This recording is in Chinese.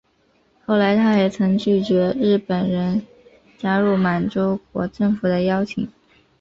后来他还曾拒绝日本人加入满洲国政府的邀请。